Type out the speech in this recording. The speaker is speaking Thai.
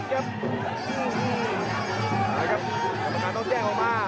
อื้อครับตำรวจงานต้องแยกออกมา